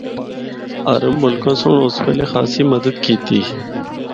عرب ملکاں سنڑ اس ویلے بھی خاصی مدد کیتی۔